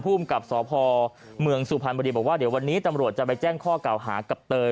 ภูมิกับสพเมืองสุพรรณบุรีบอกว่าเดี๋ยววันนี้ตำรวจจะไปแจ้งข้อเก่าหากับเตย